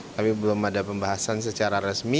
tapi belum ada pembahasan secara resmi